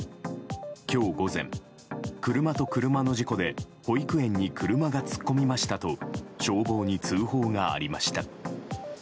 今日午前、車と車の事故で保育園に車が突っ込みましたと消防に通報がありました。